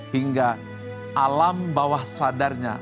hingga alam bawah sadarnya